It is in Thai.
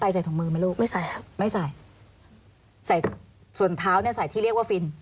ใส่ถุงมือไหมลูกไม่ใส่ครับไม่ใส่ใส่ส่วนเท้าเนี่ยใส่ที่เรียกว่าฟิน